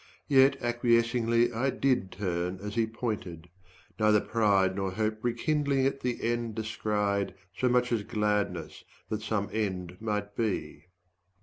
Yet acquiescingly 15 I did turn as he pointed: neither pride Nor hope rekindling at the end descried, So much as gladness that some end might be.